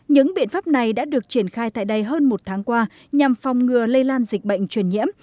những biện pháp này đã được triển khai tại đây hơn một tháng qua nhằm phòng ngừa lây lan dịch bệnh truyền nhiễm